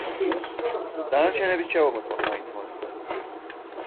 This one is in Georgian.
დანარჩენებიც შევამოწმოთ მაინც, მოდით.